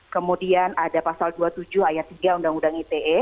kemudian ada pasal dua puluh tujuh ayat tiga undang undang ite